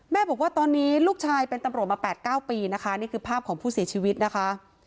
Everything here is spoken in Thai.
บอกว่าตอนนี้ลูกชายเป็นตำรวจมา๘๙ปีนะคะนี่คือภาพของผู้เสียชีวิตนะคะ